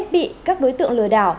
bị các đối tượng lừa đảo